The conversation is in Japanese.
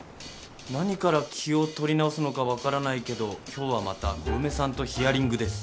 何から気を取り直すのかわからないけど今日はまた小梅さんとヒアリングです。